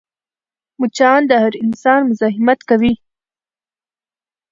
مچان د هر انسان مزاحمت کوي